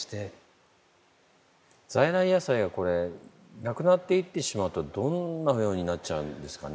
在来野菜はこれなくなっていってしまうとどんなようになっちゃうんですかね？